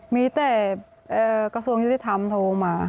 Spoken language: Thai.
มีแต่กระทรวงยุติธรรมโทรมา